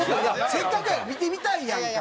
せっかくやから見てみたいやんか。